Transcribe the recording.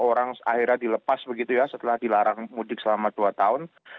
orang akhirnya dilepas begitu ya setelah dilarang mudik selama dua tahun